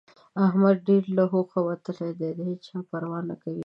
احمد ډېر له هوښه وتلی دی؛ د هيچا پروا نه کوي.